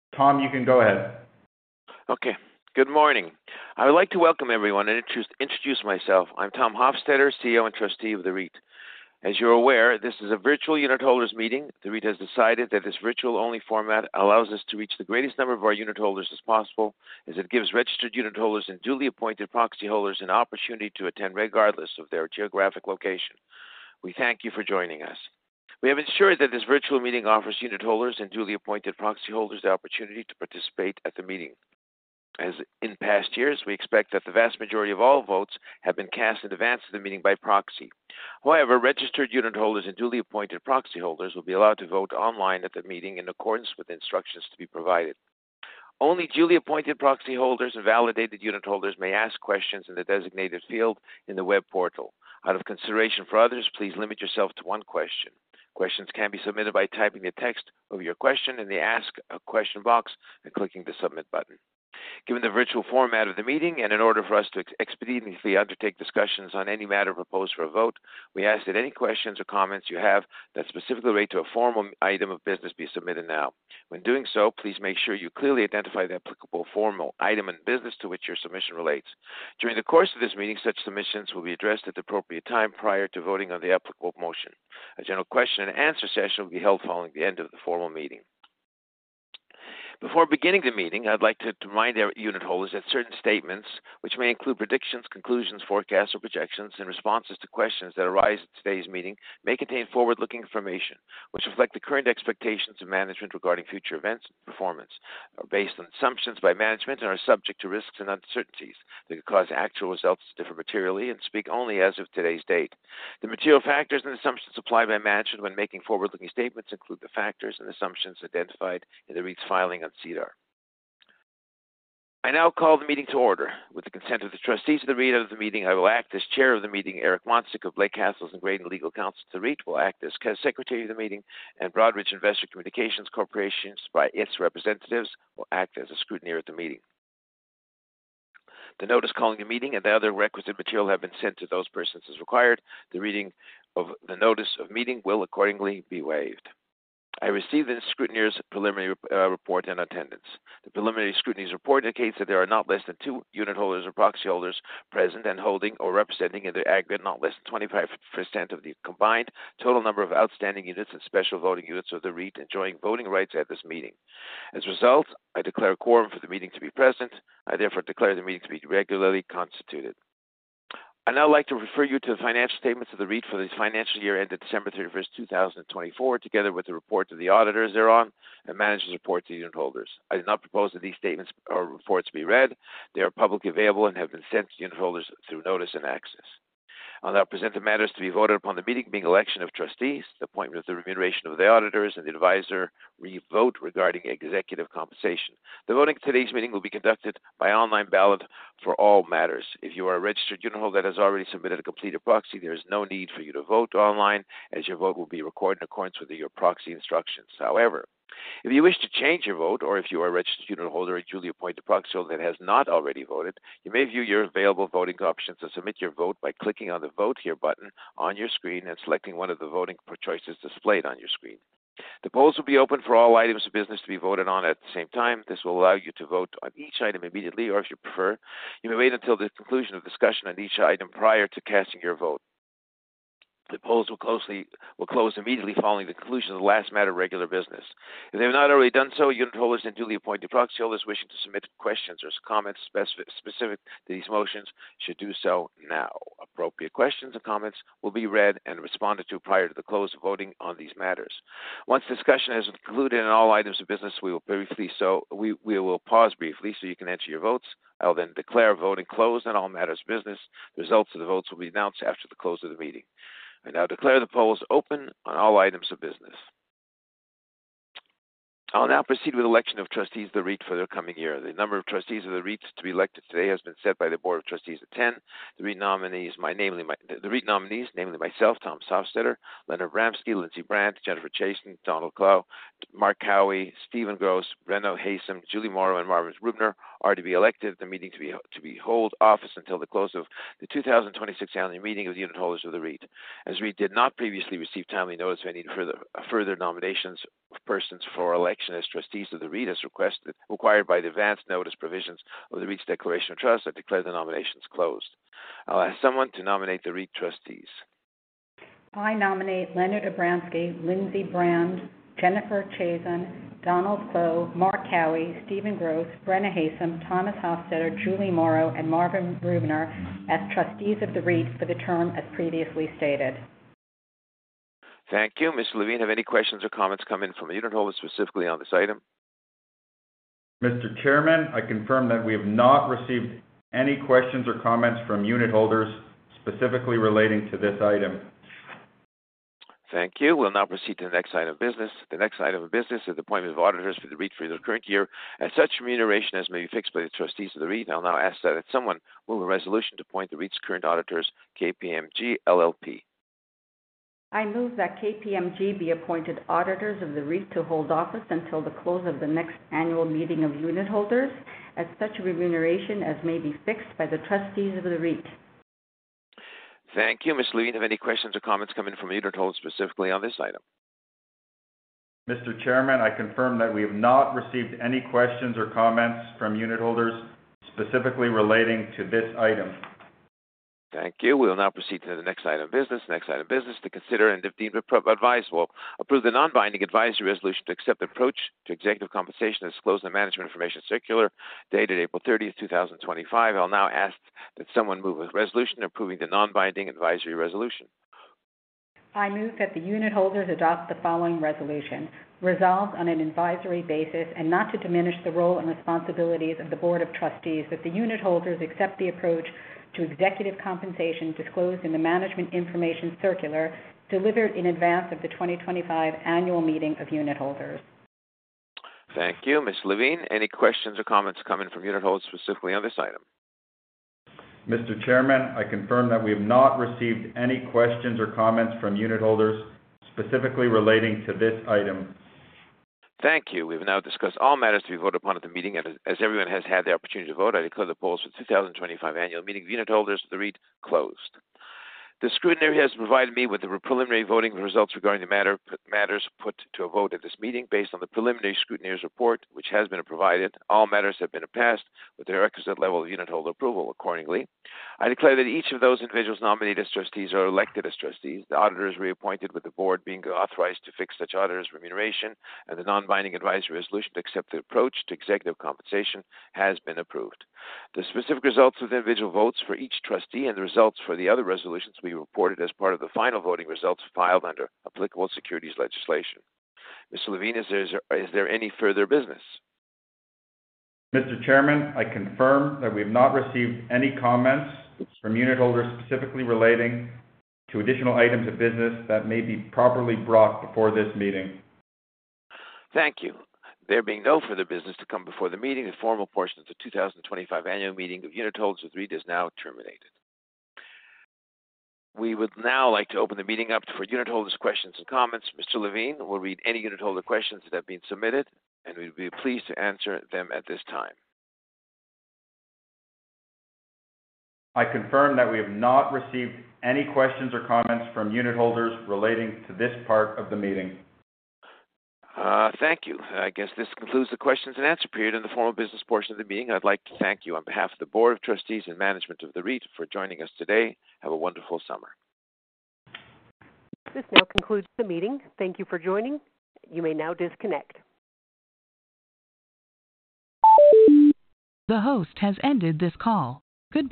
Tom, you can go ahead. Okay. Good morning. I would like to welcome everyone and introduce myself. I'm Tom Hofstedter, CEO and Trustee of The REIT. As you're aware, this is a virtual unit holders meeting. The REIT has decided that this virtual-only format allows us to reach the greatest number of our unit holders as possible, as it gives registered unit holders and duly appointed proxy holders an opportunity to attend regardless of their geographic location. We thank you for joining us. We have ensured that this virtual meeting offers unit holders and duly appointed proxy holders the opportunity to participate at the meeting. As in past years, we expect that the vast majority of all votes have been cast in advance of the meeting by proxy. However, registered unit holders and duly appointed proxy holders will be allowed to vote online at the meeting in accordance with the instructions to be provided. Only duly appointed proxy holders and validated unit holders may ask questions in the designated field in the web portal. Out of consideration for others, please limit yourself to one question. Questions can be submitted by typing the text of your question in the Ask a Question box and clicking the Submit button. Given the virtual format of the meeting and in order for us to expeditiously undertake discussions on any matter proposed for a vote, we ask that any questions or comments you have that specifically relate to a formal item of business be submitted now. When doing so, please make sure you clearly identify the applicable formal item in business to which your submission relates. During the course of this meeting, such submissions will be addressed at the appropriate time prior to voting on the applicable motion. A general question and answer session will be held following the end of the formal meeting. Before beginning the meeting, I'd like to remind our unit holders that certain statements, which may include predictions, conclusions, forecasts, or projections in responses to questions that arise at today's meeting, may contain forward-looking information which reflect the current expectations of management regarding future events and performance. They are based on assumptions by management and are subject to risks and uncertainties that could cause actual results to differ materially and speak only as of today's date. The material factors and assumptions applied by management when making forward-looking statements include the factors and assumptions identified in the REIT's filing on SEDAR. I now call the meeting to order. With the consent of the trustees of the REIT of the meeting, I will act as Chair of the meeting, Eric Moncik of Blakes, Cassels & Graydon Legal Counsel to the REIT, will act as Secretary of the meeting, and Broadridge Investor Communications Corporation by its representatives will act as a scrutineer at the meeting. The notice calling the meeting and the other requisite material have been sent to those persons as required. The reading of the notice of meeting will accordingly be waived. I receive the scrutineer's preliminary report and attendance. The preliminary scrutineer's report indicates that there are not less than two unit holders or proxy holders present and holding or representing in their aggregate not less than 25% of the combined total number of outstanding units and special voting units of the REIT enjoying voting rights at this meeting. As a result, I declare a quorum for the meeting to be present. I therefore declare the meeting to be regularly constituted. I'd now like to refer you to the financial statements of the REIT for the financial year ended December 31st, 2024, together with the report to the auditors thereon and manager's report to the unit holders. I do not propose that these statements or reports be read. They are publicly available and have been sent to unit holders through notice and access. I'll now present the matters to be voted upon at the meeting, being election of trustees, the appointment and remuneration of the auditors, and the advisory vote regarding executive compensation. The voting at today's meeting will be conducted by online ballot for all matters. If you are a registered unit holder that has already submitted a completed proxy, there is no need for you to vote online, as your vote will be recorded in accordance with your proxy instructions. However, if you wish to change your vote or if you are a registered unit holder or a duly appointed proxy holder that has not already voted, you may view your available voting options and submit your vote by clicking on the Vote Here button on your screen and selecting one of the voting choices displayed on your screen. The polls will be open for all items of business to be voted on at the same time. This will allow you to vote on each item immediately or, if you prefer, you may wait until the conclusion of discussion on each item prior to casting your vote. The polls will close immediately following the conclusion of the last matter of regular business. If they have not already done so, unit holders and duly appointed proxy holders wishing to submit questions or comments specific to these motions should do so now. Appropriate questions and comments will be read and responded to prior to the close of voting on these matters. Once discussion has concluded on all items of business, we will pause briefly so you can enter your votes. I'll then declare voting closed on all matters of business. The results of the votes will be announced after the close of the meeting. I now declare the polls open on all items of business. I'll now proceed with election of trustees of the REIT for the coming year. The number of trustees of the REIT to be elected today has been set by the Board of Trustees at 10. The REIT nominees namely myself, Tom Hofstedter, Leonard Abramsky, Lindsay Brand, Jennifer Chasson, Donald Clow, Mark Cowie, Stephen Gross, Brenna Haysom, Juli Morrow, and Marvin Rubner are to be elected at the meeting to be held office until the close of the 2026 annual meeting of the unit holders of the REIT. As REIT did not previously receive timely notice of any further nominations of persons for election as trustees of the REIT as required by the advance notice provisions of the REIT's declaration of trust, I declare the nominations closed. I'll ask someone to nominate the REIT trustees. I nominate Leonard Abramsky, Lindsay Brand, Jennifer Chasson, Donald Clow, Mark Cowie, Stephen Gross, Brenna Haysom, Thomas Hofstedter, Juli Morrow, and Marvin Rubner as trustees of the REIT for the term as previously stated. Thank you. Ms. Levine, have any questions or comments come in from a unit holder specifically on this item? Mr. Chairman, I confirm that we have not received any questions or comments from unit holders specifically relating to this item. Thank you. We'll now proceed to the next item of business. The next item of business is the appointment of auditors for the REIT for the current year at such remuneration as may be fixed by the trustees of the REIT. I'll now ask that someone move a resolution to appoint the REIT's current auditors, KPMG LLP. I move that KPMG LLP be appointed auditors of The REIT to hold office until the close of the next annual meeting of unit holders at such remuneration as may be fixed by the trustees of The REIT. Thank you. Ms. Levine, have any questions or comments come in from a unit holder specifically on this item? Mr. Chairman, I confirm that we have not received any questions or comments from unit holders specifically relating to this item. Thank you. We'll now proceed to the next item of business. Next item of business to consider and if deemed appropriate, advisor will approve the non-binding advisory resolution to accept the approach to executive compensation as disclosed in the management information circular dated April 30, 2025. I'll now ask that someone move a resolution approving the non-binding advisory resolution. I move that the unit holders adopt the following resolution. Resolved, on an advisory basis and not to diminish the role and responsibilities of the Board of Trustees, that the unit holders accept the approach to executive compensation disclosed in the management information circular delivered in advance of the 2025 annual meeting of unit holders. Thank you. Ms. Levine, any questions or comments come in from unit holders specifically on this item? Mr. Chairman, I confirm that we have not received any questions or comments from unit holders specifically relating to this item. Thank you. We've now discussed all matters to be voted upon at the meeting. As everyone has had the opportunity to vote, I declare the polls for the 2025 annual meeting of unit holders of the REIT closed. The scrutineer has provided me with the preliminary voting results regarding the matters put to a vote at this meeting based on the preliminary scrutineer's report, which has been provided. All matters have been passed with a requisite level of unit holder approval accordingly. I declare that each of those individuals nominated as trustees are elected as trustees, the auditors reappointed with the board being authorized to fix such auditors' remuneration, and the non-binding advisory resolution to accept the approach to executive compensation has been approved. The specific results of the individual votes for each trustee and the results for the other resolutions will be reported as part of the final voting results filed under applicable securities legislation. Mr. Levine, is there any further business? Mr. Chairman, I confirm that we have not received any comments from unit holders specifically relating to additional items of business that may be properly brought before this meeting. Thank you. There being no further business to come before the meeting, the formal portion of the 2025 annual meeting of unit holders of the REIT is now terminated. We would now like to open the meeting up for unit holders' questions and comments. Ms. Levine will read any unit holder questions that have been submitted, and we'd be pleased to answer them at this time. I confirm that we have not received any questions or comments from unit holders relating to this part of the meeting. Thank you. I guess this concludes the questions-and-answer period in the formal business portion of the meeting. I'd like to thank you on behalf of the Board of Trustees and management of the REIT for joining us today. Have a wonderful summer. This now concludes the meeting. Thank you for joining. You may now disconnect. The host has ended this call. Good.